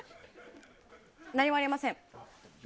何もありません。